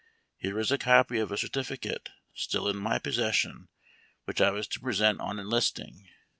Here is a copy of a certificate, still in my possession, which I was to present on enlisting.